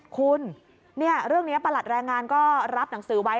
คุณเรื่องนี้ประหลัดแรงงานก็รับหนังสือไว้